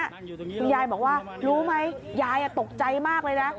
คุณยายบอกว่ารู้ไหมยายตกใจมากเลยนะ